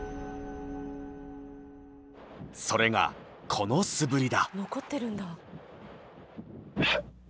それがこの素振りだ。